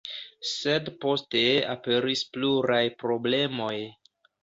Sed poste aperis pluraj problemoj.